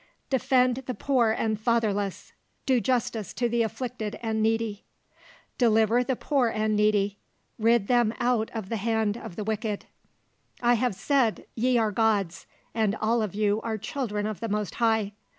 "'Defend the poor and fatherless: do justice to the afflicted and needy. "'Deliver the poor and needy: rid them out of the hand of the wicked. "'I have said, Ye are gods; and all of you are children of the Most High.